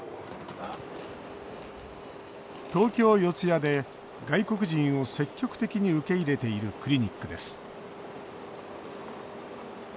東京・四谷で外国人を積極的に受け入れているクリニックです。